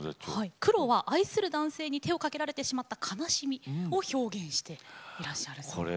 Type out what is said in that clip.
黒は愛する男性に手をかけられてしまった悲しみを表現していらっしゃるそうです。